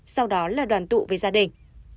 sau đó là đoàn tụ với gia đình